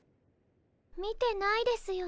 見てないですよね？